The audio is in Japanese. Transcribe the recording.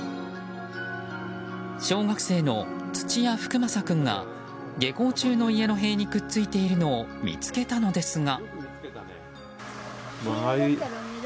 小学生の土屋福将君が下校中に家の塀にくっついているのを見つけたのですが。